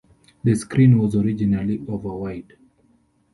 The screen was originally over wide.